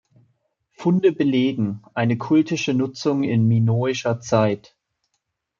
Funde belegen eine kultische Nutzung in minoischer Zeit.